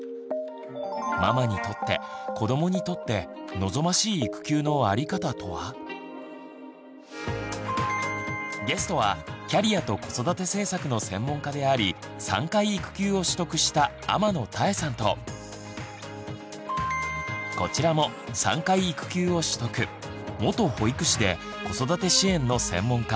ママにとって子どもにとってゲストはキャリアと子育て政策の専門家であり３回育休を取得した天野妙さんとこちらも３回育休を取得元保育士で子育て支援の専門家